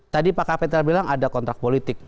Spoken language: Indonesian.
tadi pak kapitra bilang ada kontrak politik